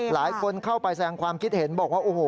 หลายคนเข้าไปแสงความคิดเห็นบอกว่าโอ้โห